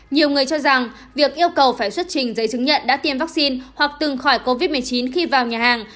nhiều người cho rằng việc yêu cầu phải xuất trình giấy chứng nhận đã tiêm vaccine hoặc từng khỏi covid một mươi chín khi vào nhà hàng